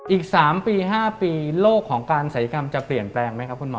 อีก๓ปี๕ปีโลกของการศัยกรรมจะเปลี่ยนแปลงไหมครับคุณหมอ